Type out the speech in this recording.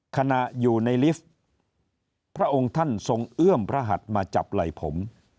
ขณะอยู่ในลิฟต์พระองค์ท่านทรงเอื้อมพระหัดมาจับไหล่ผม